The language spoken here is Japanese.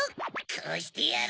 こうしてやる！